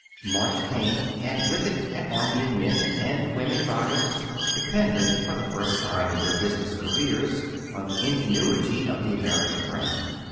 March came, and with it an army of men and women buyers, dependent, for the first time in their business careers, on the ingenuity of the American brain.